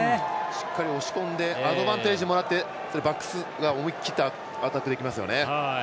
しっかり押し込んでアドバンテージもらってバックスが思い切ったアタックできますよね。